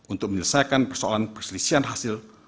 untuk menyelesaikan persoalan perselisihan hasil